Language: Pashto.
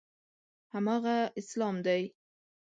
هماغه اسلام دی.